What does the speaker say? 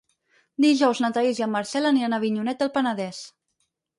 Dijous na Thaís i en Marcel aniran a Avinyonet del Penedès.